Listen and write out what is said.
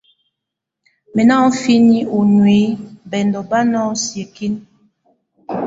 Mí aŋó femie ɔ nuiyi, bɛndo ba ŋaŋo siekin.